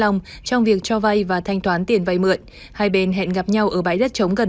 đồng trong việc cho vay và thanh toán tiền vay mượn hai bên hẹn gặp nhau ở bãi đất chống gần